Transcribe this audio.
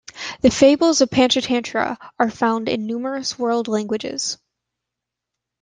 The fables of "Panchatantra" are found in numerous world languages.